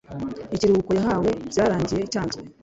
ikiruhuko yahawe byarangiriye cyanzwe.